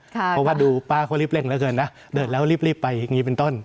เพราะว่าดูป้าเขารีบเร่งเหลือเกินนะเดินแล้วรีบไปอย่างนี้เป็นต้น